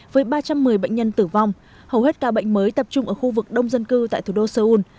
với ba trăm một mươi bệnh nhân tử vong hầu hết ca bệnh mới tập trung ở khu vực đông dân cư tại thủ đô seoul